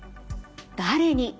「誰に」